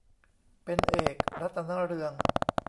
เป็นเอก รัตนเรือง